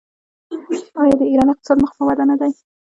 آیا د ایران اقتصاد مخ په وده نه دی؟